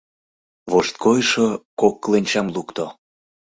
Вошткойшо кок кленчам лукто.